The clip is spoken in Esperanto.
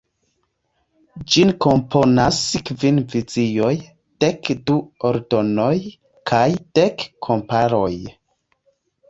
Ĝin komponas kvin vizioj, dek du “Ordonoj” kaj dek “komparoj”.